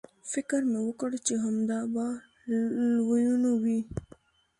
فکر مې وکړ چې همدا به لویینو وي.